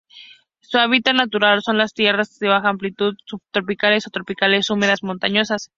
Su hábitat natural son: las tierras de baja altitud subtropicales o tropicales húmedas, montañas.